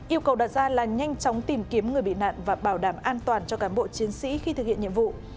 yêu cầu đặt ra là nhanh chóng tìm kiếm người bị nạn và bảo đảm an toàn cho cán bộ chiến sĩ khi thực hiện nhiệm vụ